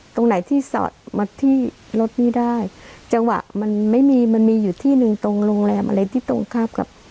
ตรงไหนที่สอดมาที่รถนี้ได้จังหวะมันไม่มีมันมีอยู่ที่หนึ่งตรงโรงแรมอะไรที่ตรงข้ามกับ